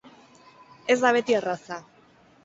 Ez da beti erraza!